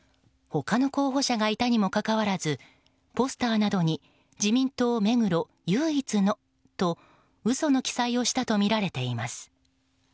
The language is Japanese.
他の候補者がいたにもかかわらずポスターなどに「自民党目黒唯一の」と嘘の記載をしたとみられています。